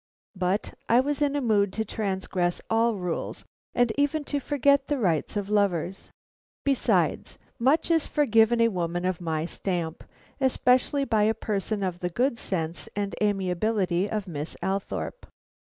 But I was in a mood to transgress all rules and even to forget the rights of lovers. Besides, much is forgiven a woman of my stamp, especially by a person of the good sense and amiability of Miss Althorpe.